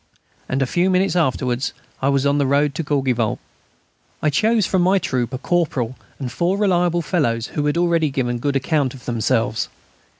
And a few minutes afterwards I was on the road to Courgivault. I chose from my troop a corporal and four reliable fellows who had already given a good account of themselves.